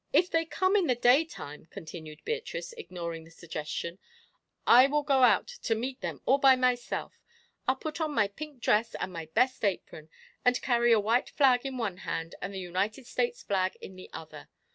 "If they come in the daytime," continued Beatrice, ignoring the suggestion, "I will go out to meet them all by myself. I'll put on my pink dress and my best apron, and carry a white flag in one hand and the United States flag in the other.